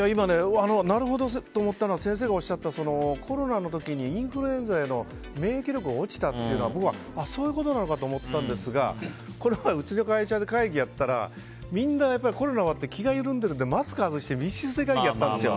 なるほどと思ったのは先生がおっしゃったコロナの時にインフルエンザへの免疫力が落ちたというのは僕はそういうことなのかって思ったんですがこれはうちの会社で会議をやったらみんなコロナ終わって気が緩んでるんでマスク外して密室で会議やったんですよ。